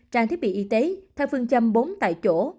trang thiết bị y tế theo phương châm bốn tại chỗ